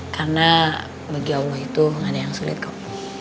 karena bagi allah itu gak ada yang sulit kok